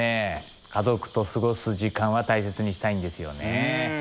家族と過ごす時間は大切にしたいんですよね。